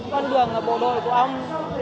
con đường bộ đội của ông